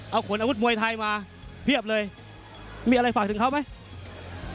เอาขนอาวุธมวยไทยมาเพียบเลยมีอะไรฝากถึงเขาไหม